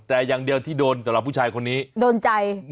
แต่อย่างเดียวที่โดนสำหรับผู้ชายคนนี้โดนใจ